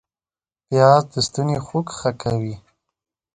پیاز د ستوني خوږ ښه کوي